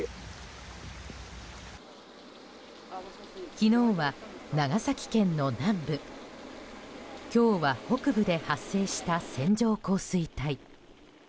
昨日は長崎県の南部今日は北部で発生した線状降水帯。